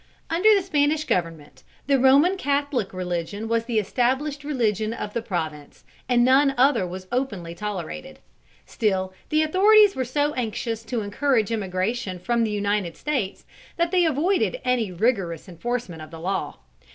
Under the Spanish Government, the Roman Catholic Religion was the established religion of the province, and none other was openly tolerated. Still, the authorities were so anxious to encourage emigration from the United States, that they avoided any rigorous enforcement of the law.